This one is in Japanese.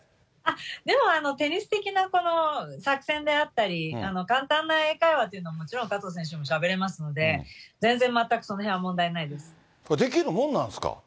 でもテニス的な作戦であったり、簡単な英会話というのは、もちろん加藤選手もしゃべれますので、できるもんなんですか？